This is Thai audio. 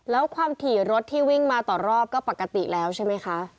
แล้วความถี่รถที่วิ่งมาต่อรอบก็ปกติแล้วใช่ไหมคะ